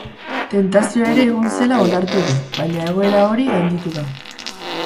Tentazioa ere egon zela onartu du baina, egora hori gainditu da.